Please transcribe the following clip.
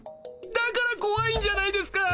だからこわいんじゃないですか。